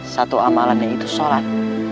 satu amalannya itu sholat